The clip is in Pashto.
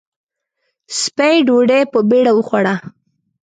سپۍ ډوډۍ په بېړه وخوړه.